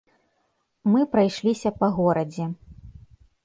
Мы прайшліся па горадзе.